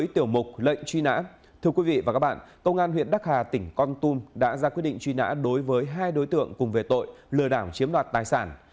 tại huyện đắc hà tỉnh con tum đã ra quyết định truy nã đối với hai đối tượng cùng về tội lừa đảng chiếm đoạt tài sản